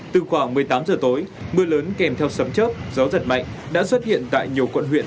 từ khoảng một mươi tám giờ tối mưa lớn kèm theo sấm chớp gió giật mạnh đã xuất hiện tại nhiều quận huyện